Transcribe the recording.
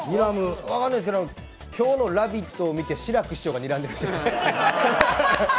今日の「ラヴィット！」を見て志らく師匠がにらんでる。